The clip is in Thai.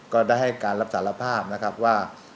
ก็ได้ให้การรับสารภาพนะครับว่า